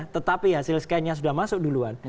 tetapi hasil scan nya sudah masuk duluan